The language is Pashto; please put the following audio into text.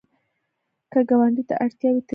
که ګاونډي ته اړتیا وي، ته یې وسه